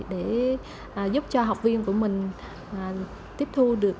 để giúp cho học viên của mình tiếp thu được